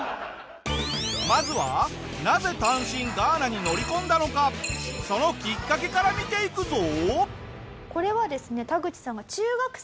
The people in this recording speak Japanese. まずはなぜ単身ガーナに乗り込んだのかそのきっかけから見ていくぞ。